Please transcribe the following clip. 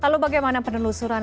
lalu bagaimana penelusuran